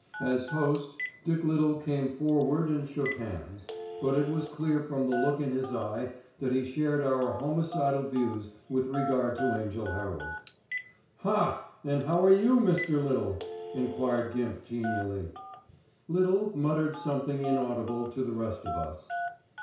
As host Dick Little came forward and shook hands: but it was clear from the look in his eye that he shared our homicidal views with regard to Angell Herald. "Haaa! and how are you, Mr. Little?" enquired Gimp genially. Little muttered something inaudible to the rest of us.